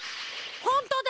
ほんとだ！